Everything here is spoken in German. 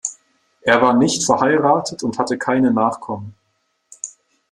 Er war nicht verheiratet und hatte keine Nachkommen.